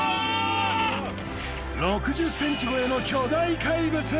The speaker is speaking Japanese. ６０ｃｍ超えの巨大怪物！